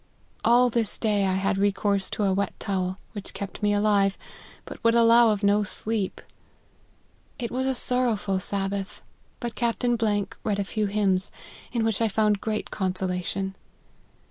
All this day, I had recourse to a wet towel, which kept me alive, but would alloAV of no sleep. It was a sorrowful sabbath ; but Cap tain read a few hymns, in which I found great consolation.